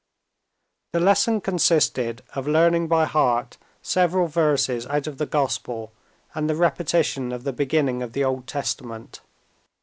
The lesson consisted of learning by heart several verses out of the Gospel and the repetition of the beginning of the Old Testament.